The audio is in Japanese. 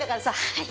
はい。